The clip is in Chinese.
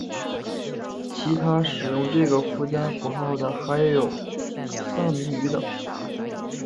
其他使用这个附加符号的还有萨米语等。